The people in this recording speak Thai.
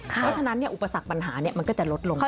เพราะฉะนั้นเนี่ยอุปสรรคปัญหาเนี่ยมันก็จะลดลง